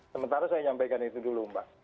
sementara saya nyampaikan itu dulu mbak